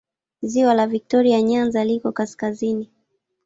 Ziwa la Viktoria Nyanza liko kaskazini.